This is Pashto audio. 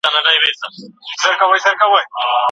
تاسي باید د هر چا د احسان احترام وکړئ.